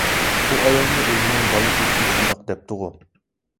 ئۇ ئايالمۇ ئۆزىنىڭ بالىسى ئۈچۈن شۇنداق دەپتىغۇ؟